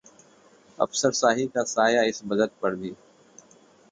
अफसरशाही का साया इस बजट पर भी